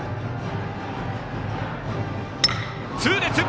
痛烈！